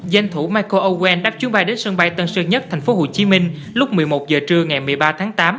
danh thủ michael owen đã chuyến bay đến sân bay tân sơn nhất thành phố hồ chí minh lúc một mươi một giờ trưa ngày một mươi ba tháng tám